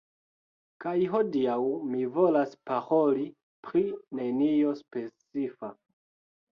Kaj hodiaŭ mi volas paroli pri nenio specifa